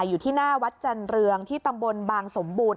อยู่ที่หน้าวัดจันเรืองที่ตำบลบางสมบูรณ